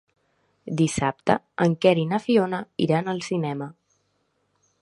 Dissabte en Quer i na Fiona iran al cinema.